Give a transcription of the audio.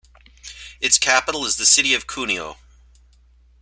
Its capital is the city of Cuneo.